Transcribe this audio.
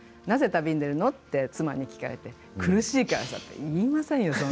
「なぜ旅に出るの？」って妻に聞かれて苦しいからさって言いませんよ